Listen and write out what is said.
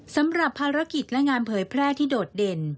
สำหรับภารกิจและงานเผยแพร่ที่โดดเด่น